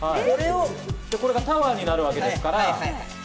それがタワーになるわけですから。